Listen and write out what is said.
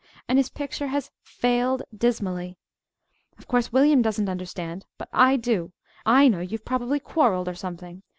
And his picture has failed dismally. Of course William doesn't understand; but I do. I know you've probably quarrelled, or something.